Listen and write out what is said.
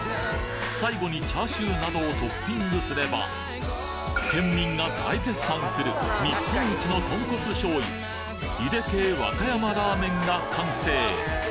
最後にチャーシューなどをトッピングすれば県民が大絶賛する日本一の豚骨醤油井出系和歌山ラーメンが完成